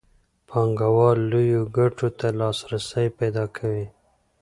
پانګوال لویو ګټو ته لاسرسی پیدا کوي